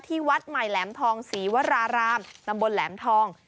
วัดใหม่แหลมทองศรีวรารามตำบลแหลมทอง